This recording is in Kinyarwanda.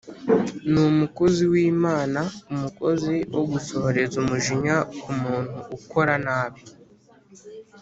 Ni umukozi w’Imana umukozi wo gusohoreza umujinya ku muntu ukora nabi